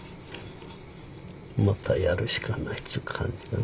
またやるしかないっちゅう感じかな。